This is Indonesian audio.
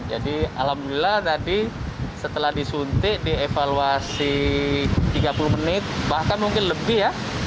jadi alhamdulillah tadi setelah disuntik dievaluasi tiga puluh menit bahkan mungkin lebih ya